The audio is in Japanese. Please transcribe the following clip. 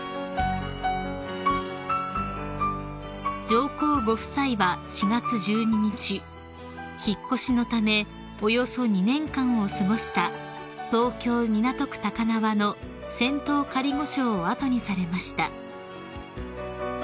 ［上皇ご夫妻は４月１２日引っ越しのためおよそ２年間を過ごした東京港区高輪の仙洞仮御所を後にされました］